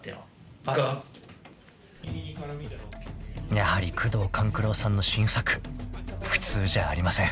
［やはり宮藤官九郎さんの新作普通じゃありません］